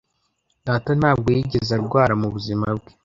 Data ntabwo yigeze arwara mubuzima bwe